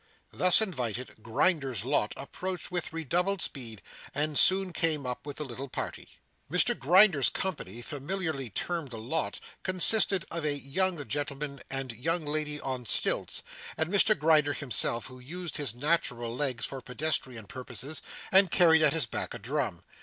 Thus invited, 'Grinder's lot' approached with redoubled speed and soon came up with the little party. Mr Grinder's company, familiarly termed a lot, consisted of a young gentleman and a young lady on stilts, and Mr Grinder himself, who used his natural legs for pedestrian purposes and carried at his back a drum.